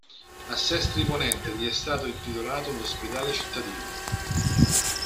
A Sestri Ponente gli è stato intitolato l'ospedale cittadino.